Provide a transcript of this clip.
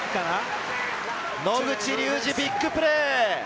野口竜司、ビッグプレー！